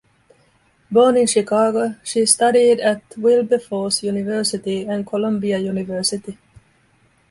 Born in Chicago, she studied at Wilberforce University, and Columbia University.